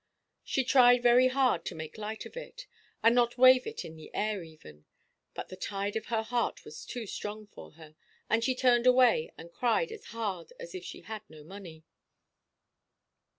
She tried very hard to make light of it, and not wave it in the air even; but the tide of her heart was too strong for her, and she turned away, and cried as hard as if she had no money.